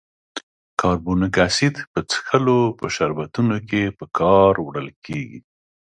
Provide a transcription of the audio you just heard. کاربونیک اسید په څښلو په شربتونو کې په کار وړل کیږي.